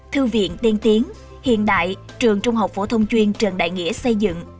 thư viện tiên tiến hiện đại trường trung học phổ thông chuyên trần đại nghĩa xây dựng